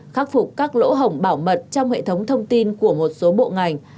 khắc phục các lỗ hồng bảo mật trong hệ thống thông tin của một số bộ ngành